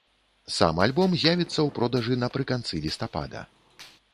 Сам альбом з'явіцца ў продажы напрыканцы лістапада.